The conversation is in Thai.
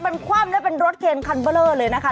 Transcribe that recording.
มันคว่ำและเป็นรถเคนคันเบอร์เลอร์เลยนะคะ